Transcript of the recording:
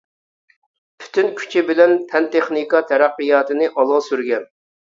پۈتۈن كۈچى بىلەن پەن-تېخنىكا تەرەققىياتىنى ئالغا سۈرگەن.